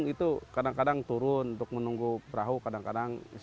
jadi itu kadang kadang turun untuk menunggu perahu kadang kadang